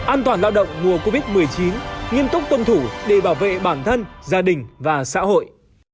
an toàn lao động mùa covid một mươi chín nghiêm túc tuân thủ để bảo vệ bản thân gia đình và xã hội